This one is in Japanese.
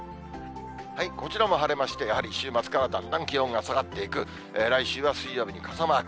こちらも晴れまして、やはり週末からだんだん気温が下がっていく、来週は水曜日に傘マーク。